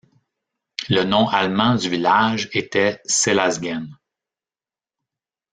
Le nom allemand du village était Seeläsgen.